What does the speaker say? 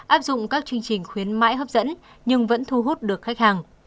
áp dụng các chương trình khuyến mãi hấp dẫn nhưng vẫn thu hút được khách hàng